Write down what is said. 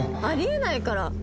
あり得ないから。